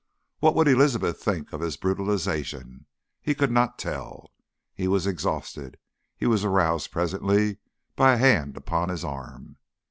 What would Elizabeth think of his brutalisation? He could not tell. He was exhausted. He was aroused presently by a hand upon his arm.